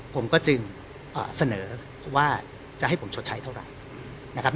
ผมก็จึงเสนอว่าจะให้ผมชดใช้เท่าไหร่นะครับ